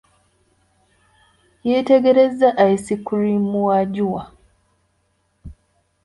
Yeetegereza ice cream wa Ajua.